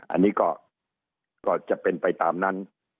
อันนี้ก็จะเป็นไปตามนั้น